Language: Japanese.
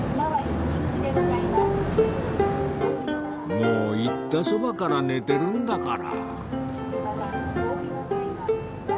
もう言ったそばから寝てるんだから